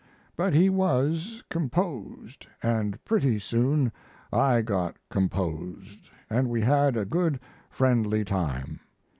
But he was, composed, and pretty soon I got composed and we had a good, friendly time.